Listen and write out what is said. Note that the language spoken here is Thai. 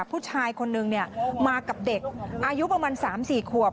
ผู้ชายคนนึงมากับเด็กอายุประมาณ๓๔ขวบ